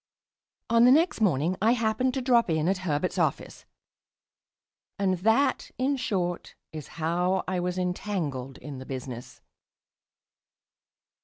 On the next morning I happened to drop in at Herbert's office.... And that, in short, is how I was entangled in the business.